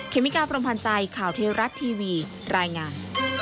เมกาพรมพันธ์ใจข่าวเทวรัฐทีวีรายงาน